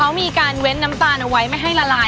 เขามีการเว้นน้ำตาลเอาไว้ไม่ให้ละลาย